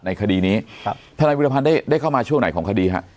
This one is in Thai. คดีนี้ครับทนายวิรพันธ์ได้เข้ามาช่วงไหนของคดีฮะ